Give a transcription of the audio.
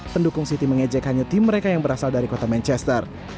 pendukung siti mengejek hanya tim mereka yang berasal dari kota manchester